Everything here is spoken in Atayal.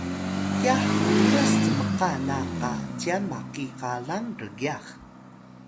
kya hminas cmka na qa cyan maki qalang rgyax